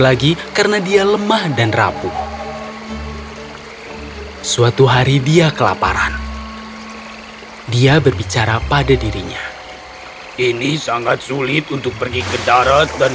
aku harus mencoba menangkap ikan di sungai aku sangat lapar